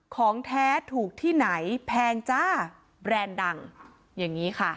ของแท้ถูกที่ไหนแพงจ้าแบรนด์ดังอย่างนี้ค่ะ